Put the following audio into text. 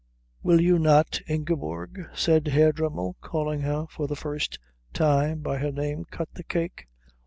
"Will you not, Ingeborg," said Herr Dremmel, calling her for the first time by her name, "cut the cake?